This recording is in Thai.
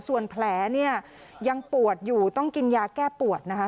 ส่วนแผลเนี่ยยังปวดอยู่ต้องกินยาแก้ปวดนะคะ